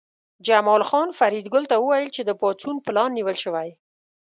جمال خان فریدګل ته وویل چې د پاڅون پلان نیول شوی